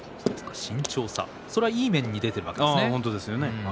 それはいい面に出ているわけですよね。